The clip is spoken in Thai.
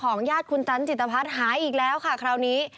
ญาติคุณจันจิตภัทรหายอีกแล้วค่ะคราวนี้